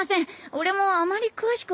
俺もあまり詳しくは。